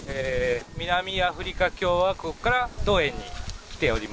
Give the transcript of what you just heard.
南アフリカ共和国から当園に来ております。